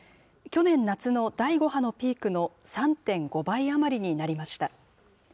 去年夏の第５波のピークの３．５倍余りになりました。